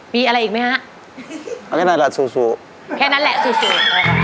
มีอะไรอีกไหมฮะเอาแค่นั้นแหละซูซู